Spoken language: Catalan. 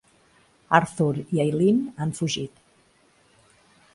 Arthur i Eileen han fugit.